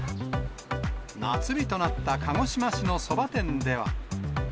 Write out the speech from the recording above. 夏日となった鹿児島市のそば店では。